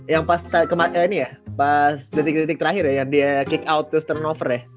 yang pas ke ini ya pas detik detik terakhir ya dia kick out terus turnover ya